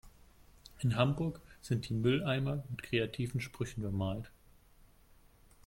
In Hamburg sind die Mülleimer mit kreativen Sprüchen bemalt.